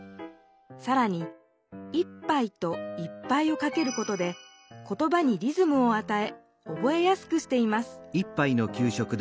さらに「一杯」と「いっぱい」をかけることで言葉にリズムをあたえおぼえやすくしています